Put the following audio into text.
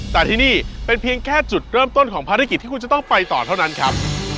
แต่ที่นี่เป็นเพียงแค่จุดเริ่มต้นของภารกิจที่คุณจะต้องไปต่อเท่านั้นครับ